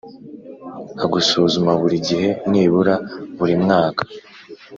a gusuzuma buri gihe nibura buri mwaka